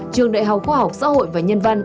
trường đại học khoa học xã hội và nhân văn